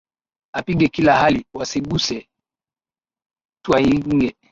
Apige kila hali, wasiguse tuwainge,